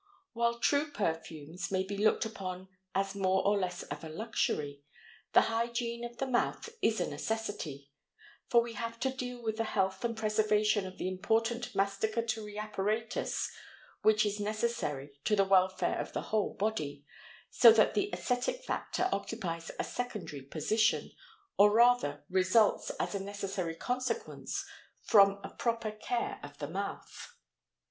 While true perfumes may be looked upon as more or less of a luxury, the hygiene of the mouth is a necessity; for we have to deal with the health and preservation of the important masticatory apparatus which is necessary to the welfare of the whole body, so that the æsthetic factor occupies a secondary position, or rather results as a necessary consequence from a proper care of the mouth.